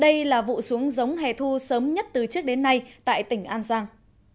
đây là vụ xuống giống hè thu sớm nhất từ trước đến nay tại tỉnh an giang